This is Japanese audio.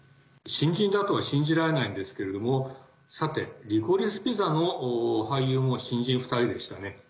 新人だとは信じられないんですけれどもさて「リコリス・ピザ」の俳優も新人２人でしたね。